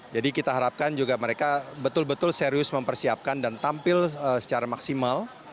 kita harapkan juga mereka betul betul serius mempersiapkan dan tampil secara maksimal